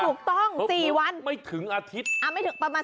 ถูกต้องสี่วันไม่ถึงอาทิตย์อ่าไม่ถึงประมาณ